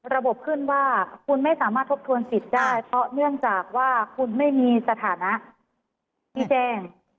ขึ้นว่าคุณไม่สามารถทบทวนสิทธิ์ได้เพราะเนื่องจากว่าคุณไม่มีสถานะที่แจ้ง